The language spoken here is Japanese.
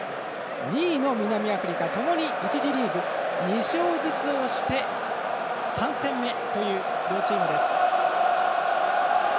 ２位の南アフリカともに１次リーグ２勝ずつをして３戦目という両チームです。